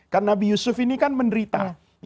karena nabi yusuf ini kan menderita